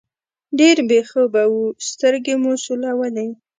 ډېر بې خوبه وو، سترګې مو سولولې.